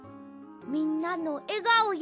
みんなのえがおや。